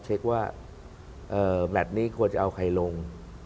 เช็คว่าแมทนี้ควรจะเอาใครลง